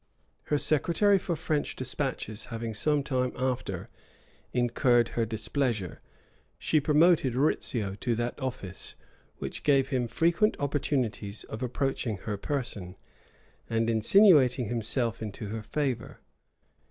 Her secretary for French despatches having some time after incurred her displeasure, she promoted Rizzio to that office, which gave him frequent opportunities of approaching her person, and insinuating himself into her favor.